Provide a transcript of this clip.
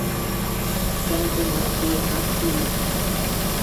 São Tomás de Aquino